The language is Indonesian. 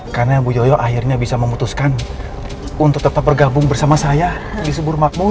karena bu yoyo akhirnya bisa memutuskan untuk tetap bergabung bersama saya di subur makmur